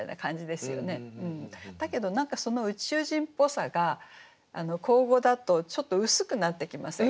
だけど何かその宇宙人っぽさが口語だとちょっと薄くなってきませんか？